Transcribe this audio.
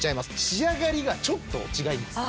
仕上がりがちょっと違います。